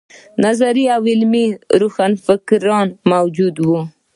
نظري او عملي روښانفکران موجود وو.